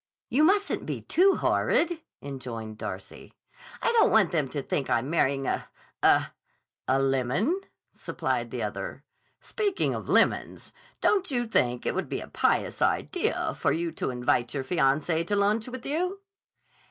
"You mustn't be too horrid," enjoined Darcy. "I don't want them to think I'm marrying a—a—" "A lemon," supplied the other. "Speaking of lemons, don't you think it would be a pious idea for you to invite your fiancé to lunch with you?"